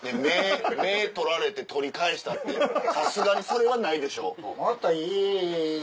目取られて取り返したってさすがにそれはないでしょ？